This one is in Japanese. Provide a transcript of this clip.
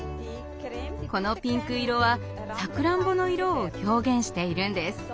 このピンク色はさくらんぼの色を表現しているんです。